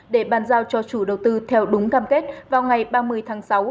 để bàn giao cho chủ đầu tư theo đúng cam kết vào ngày ba mươi tháng sáu